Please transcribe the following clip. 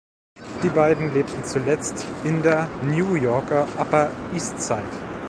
Die beiden lebten zuletzt in der New Yorker Upper East Side.